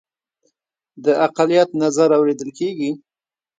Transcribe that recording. د اقلیت نظر اوریدل کیږي؟